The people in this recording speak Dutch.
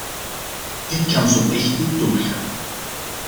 Dit kan zo echt niet doorgaan.